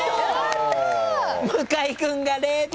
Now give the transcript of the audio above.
向井君が０点。